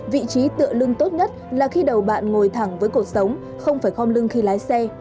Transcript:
vị trí tựa lưng tốt nhất là khi đầu bạn ngồi thẳng với cuộc sống không phải khom lưng khi lái xe